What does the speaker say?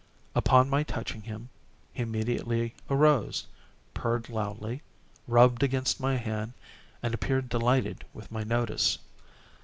Upon my touching him, he immediately arose, purred loudly, rubbed against my hand, and appeared delighted with my notice.